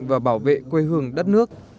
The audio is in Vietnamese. và bảo vệ quê hương đất nước